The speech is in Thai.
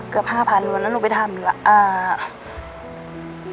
เกือบ๕๐๐๐บาทแล้วหนูไปทำเหมือนกัน